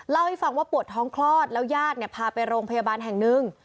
เล่าให้ฟังว่าปวดท้องคลอดแล้วญาติเนี่ยพาไปโรงพยาบาลแห่งหนึ่ง